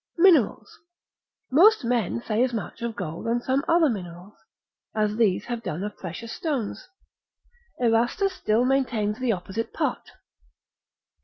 Minerals.] Most men say as much of gold and some other minerals, as these have done of precious stones. Erastus still maintains the opposite part.